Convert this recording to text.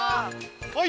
はい！